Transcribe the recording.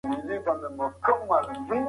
نيکمرغي يوازې په مادي شيانو کي نه ده.